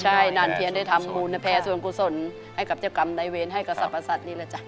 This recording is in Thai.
ใช่นานเพียนได้ทำบุญแพรส่วนกุศลให้กับเจ้ากรรมในเวรให้กับสรรพสัตว์นี่แหละจ้ะ